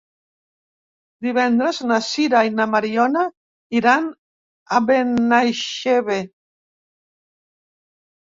Divendres na Sira i na Mariona iran a Benaixeve.